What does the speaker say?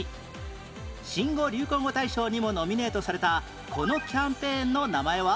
新語・流行語大賞にもノミネートされたこのキャンペーンの名前は？